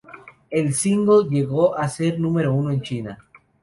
El single llegó a ser número uno en China.